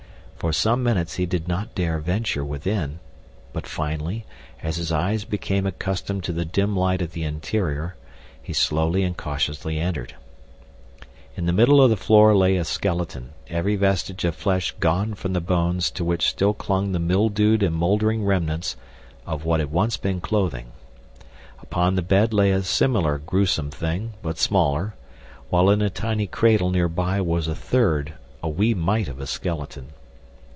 For some minutes he did not dare venture within, but finally, as his eyes became accustomed to the dim light of the interior he slowly and cautiously entered. In the middle of the floor lay a skeleton, every vestige of flesh gone from the bones to which still clung the mildewed and moldered remnants of what had once been clothing. Upon the bed lay a similar gruesome thing, but smaller, while in a tiny cradle near by was a third, a wee mite of a skeleton.